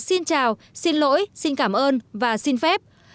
xin chào xin lỗi xin cảm ơn và xin phép